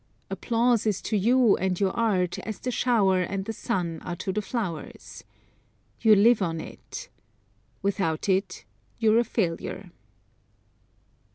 Applause is to you and your art as the shower and the sun are to the flowers. You live on it. Without it you are a failure.